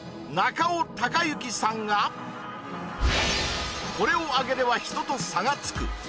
中尾隆之さんがこれをあげれば人と差がつく！